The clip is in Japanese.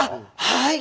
はい！